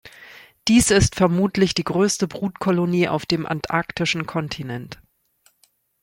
Dies ist vermutlich die größte Brutkolonie auf dem antarktischen Kontinent.